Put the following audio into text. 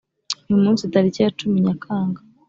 Uyu munsi tariki ya cumiNyakanga